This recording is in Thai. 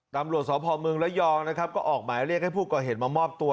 ดำรวจสพมึงระยองก็ออกหมายเรียกให้ผู้ก่อเห็นมามอบตัว